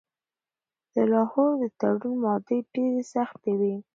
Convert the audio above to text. د لاهور د تړون مادې ډیرې سختې وې.